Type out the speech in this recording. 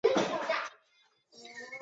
黑天竺鱼为天竺鲷科天竺鱼属的鱼类。